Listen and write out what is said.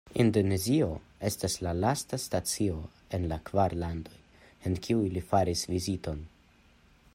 Indonezio estas la lasta stacio el la kvar landoj, en kiuj li faris viziton.